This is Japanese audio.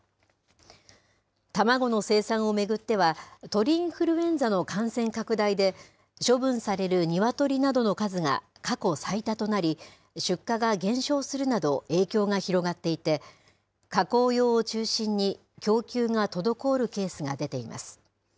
卵の生産を巡っては、鳥インフルエンザの感染拡大で、処分される鶏などの数が過去最多となり、出荷が減少するなど、影響が広がっていて、加工用を中心に、供給が滞るケースが出ています。